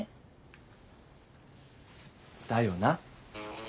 だよな。